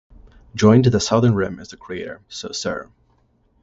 Joined to the southern rim is the crater Saussure.